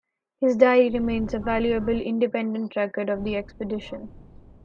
His diary remains a valuable independent record of the expedition.